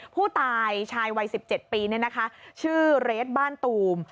ผู้ตายชายวัยสิบเจ็ดปีเนี่ยนะคะชื่อเรดบ้านตูม